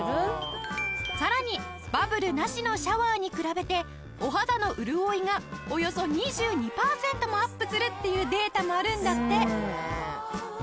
さらにバブルなしのシャワーに比べてお肌の潤いがおよそ２２パーセントもアップするっていうデータもあるんだって。